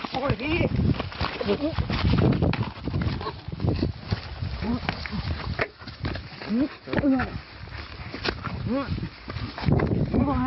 ใช่ไหมหลอกไว้หลอกไว้